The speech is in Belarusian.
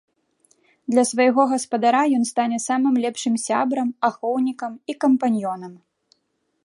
Для свайго гаспадара ён стане самым лепшым сябрам, ахоўнікам і кампаньёнам!